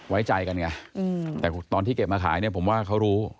ไว้ใจกันไงแต่ตอนที่เก็บมาขายเนี่ยผมว่าเขารู้